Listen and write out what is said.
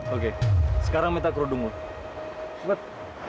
oke sekarang minta kerudung bu cepet